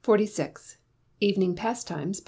46. Evening Pastimes.